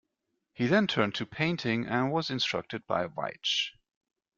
He then turned to painting, and was instructed by Weitsch.